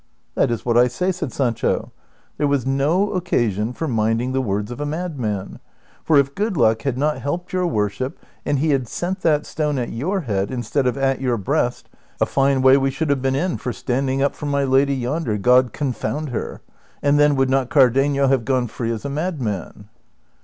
" That is what I say," said Sancho ;" there was no occasion for minding the words of a madman ; for if good luck had not helped your worship, and he had sent that stone at your head instead of at your breast, a fine way we should have been in for standing up for my lady yondfer, God confound her ! And then, would not Cardenio have gone free as a madman